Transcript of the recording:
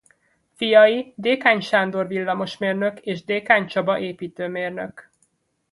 Fiai Dékány Sándor villamosmérnök és Dékány Csaba építőmérnök.